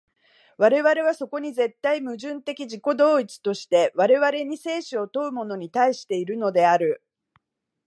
我々はそこに絶対矛盾的自己同一として、我々に生死を問うものに対しているのである。